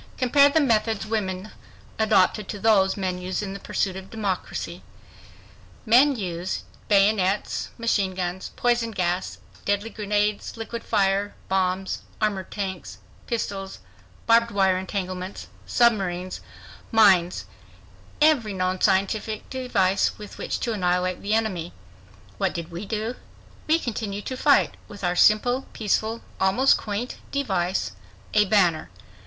Compare the methods women adopted to those men use in the pursuit of democracy,—bayonets, machine guns, poison gas, deadly grenades, liquid fire, bombs, armored tanks, pistols, barbed wire entanglements, submarines, mines—every known scientific device with which to annihilate the enemy! What did we do? We continued to fight with our simple, peaceful, almost quaint device a banner.